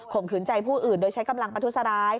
ขืนใจผู้อื่นโดยใช้กำลังประทุษร้าย